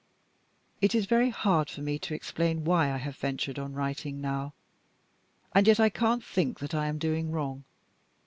"It is very hard for me to explain why I have ventured on writing now, and yet I can't think that I am doing wrong.